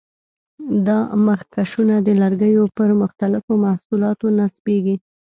دا مخکشونه د لرګیو پر مختلفو محصولاتو نصبېږي.